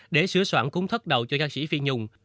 để sửa soạn cúng thất đầu cho ca sĩ phi nhung